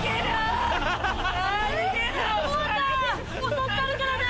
襲ったるからな！